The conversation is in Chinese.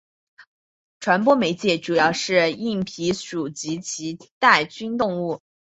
传播媒介主要是硬蜱属及其它带菌动物。